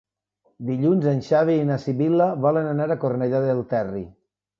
Dilluns en Xavi i na Sibil·la volen anar a Cornellà del Terri.